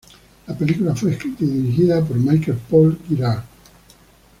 La película fue escrita y dirigida por Michael Paul Girard.